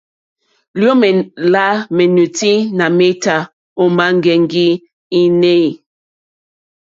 Liomè la menuti nà meta òma ŋgɛŋgi inèi.